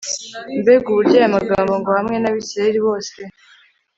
mbega uburyo aya magambo ngo hamwe n'abisirayeli bose